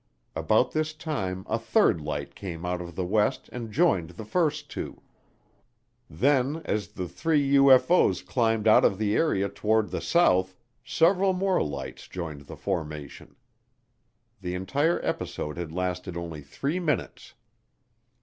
About this time a third light came out of the west and joined the first two; then as the three UFO's climbed out of the area toward the south, several more lights joined the formation. The entire episode had lasted only three minutes.